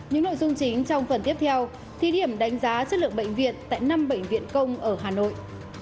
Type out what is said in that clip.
những nội dung chính trong phần tiếp theo thí điểm đánh giá chất lượng bệnh viện tại năm bệnh viện công ở hà nội